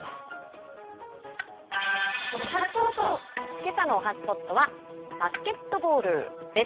けさのおはＳＰＯＴは、バスケットボールです。